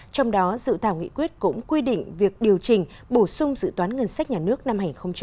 trong đó dự thảo nghị quyết cũng quy định việc điều chỉnh bổ sung dự toán ngân sách nhà nước năm hai nghìn hai mươi